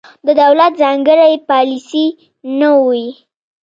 د دولت ځانګړې پالیسي نه وي.